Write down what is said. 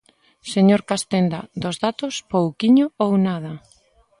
Señor Castenda, dos datos, pouquiño ou nada.